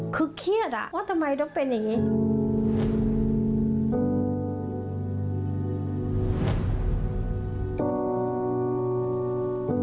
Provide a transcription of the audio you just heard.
คือเครียดอ่ะว่าทำไมต้องเป็นอย่างนี้